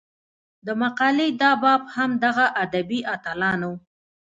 د مقالې دا باب هم دغه ادبي اتلانو